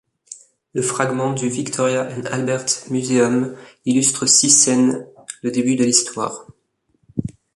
Le fragment du Victoria and Albert Museum illustre six scènes le début de l'histoire.